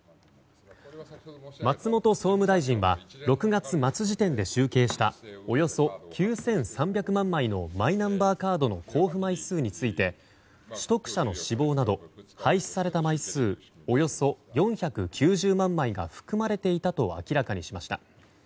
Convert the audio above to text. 松本総務大臣は６月末時点で集計したおよそ９３００万枚のマイナンバーカードの交付枚数について取得者の死亡など廃止された枚数およそ４９０万枚が含まれていたと明らかにしました。